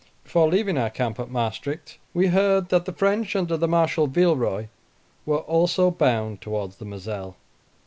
Before leaving our camp at Maestricht, we heard that the French, under the Marshal Villeroy, were also bound towards the Mozelle.